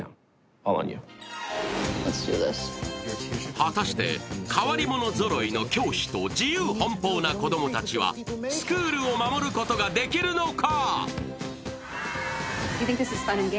果たして変わり者ぞろいの教師と自由奔放な子供たちはスクールを守ることができるのか。